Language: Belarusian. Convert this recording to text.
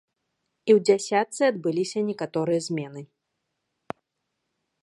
І ў дзясятцы адбыліся некаторыя змены.